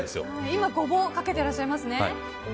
今、ゴボウをかけていらっしゃいますね。